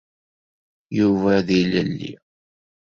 Yuba d ilelli.